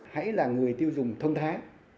hãy là người tiêu dùng thông thái